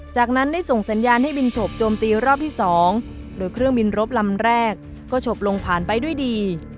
จากนั้นได้ส่งสัญญาณให้บินฉบโจมตีรอบที่๒โดยเครื่องบินรบลำแรกก็ฉบลงผ่านไปด้วยดี